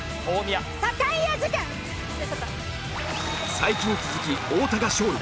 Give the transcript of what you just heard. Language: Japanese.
才木に続き太田が勝利！